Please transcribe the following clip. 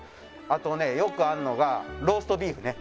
あとねよくあるのがローストビーフね。